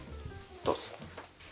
どうぞ。